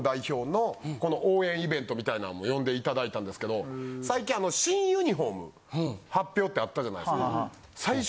みたいなんも呼んでいただいたんですけど最近新ユニフォーム発表ってあったじゃないですか。